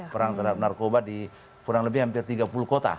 perang terhadap narkoba di kurang lebih hampir tiga puluh kota